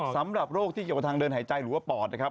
สำหรับโรคที่เกี่ยวกับทางเดินหายใจหรือว่าปอดนะครับ